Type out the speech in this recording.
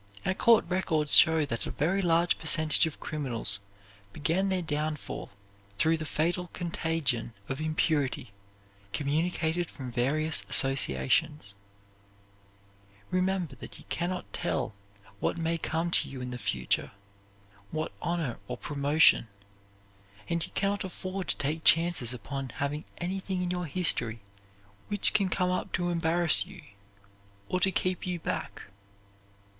Our court records show that a very large percentage of criminals began their downfall through the fatal contagion of impurity communicated from various associations. Remember that you can not tell what may come to you in the future, what honor or promotion; and you can not afford to take chances upon having anything in your history which can come up to embarrass you or to keep you back.